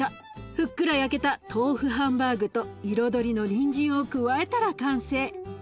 ふっくら焼けた豆腐ハンバーグと彩りのにんじんを加えたら完成。